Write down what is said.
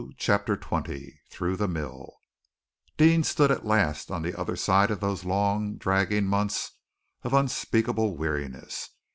CHAPTER XX THROUGH THE MILL Deane stood at last on the other side of those long, dragging months of unspeakable weariness.